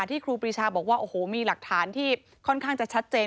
ครูปรีชาบอกว่าโอ้โหมีหลักฐานที่ค่อนข้างจะชัดเจน